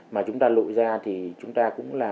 mà chúng ta lội ra thì chúng ta cũng là